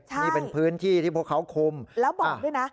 นี่เป็นพื้นที่ที่พวกเขาคุมแล้วบอกด้วยนะ